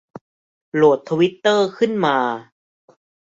โหลดทวิตเตอร์ขึ้นมา